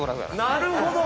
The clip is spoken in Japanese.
なるほど！